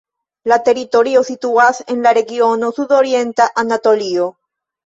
La teritorio situas en la regiono Sudorienta Anatolio.